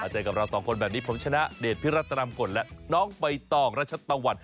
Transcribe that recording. เจอกับเราสองคนแบบนี้ผมชนะเดชพิรัตนามกลและน้องใบตองรัชตะวัน